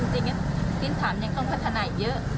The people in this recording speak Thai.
จริงกยินทราบยังต้องพัฒนายเยอะ